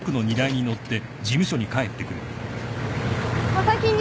お先に。